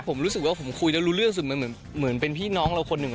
ผมรู้สึกว่าผมคุยแล้วรู้เรื่องสุดมันเหมือนเป็นพี่น้องเราคนหนึ่ง